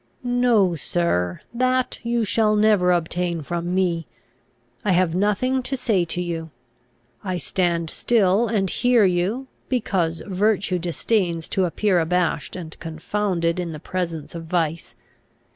"No, sir; that you shall never obtain from me. I have nothing to say to you. I stand still and hear you; because virtue disdains to appear abashed and confounded in the presence of vice.